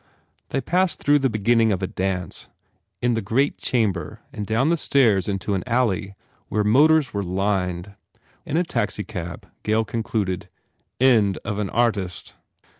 They passed through the beginning of a dance in the great chamber and down the stairs into an alley where motors were lined. In a taxicab Gail concluded, "End of an artist."